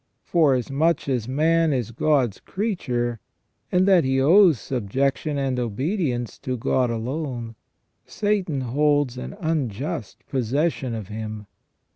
For asmuch as man is God's creature, and that he owes subjection and obedience to God alone, Satan holds an unjust possession of him.